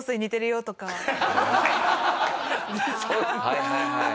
はいはいはい。